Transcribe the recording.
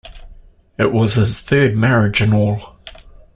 It was his third marriage in all.